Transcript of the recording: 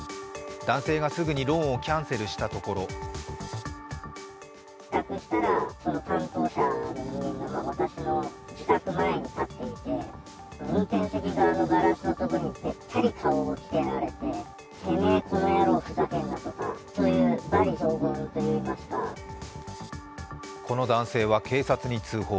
男性がすぐにローンをキャンセルしたところこの男性は警察に通報。